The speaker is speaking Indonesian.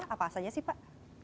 apa saja sih pak